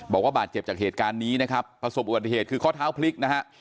บอกว่าบาดเจ็บจากเหตุการณ์นี้นะครับประสบอุบัติเหตุคือข้อเท้าพลิกนะฮะ